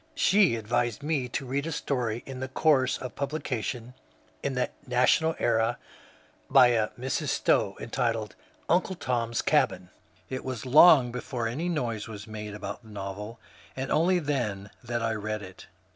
She advised me to read a story in course of publication in the ^ National Era " by a Mrs. Stowe, entitled *^ Uncle Tom's Cabin." It was long before any noise was made about that novel, and only then that I read it.